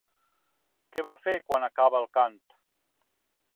Què va fer quan acaba el cant?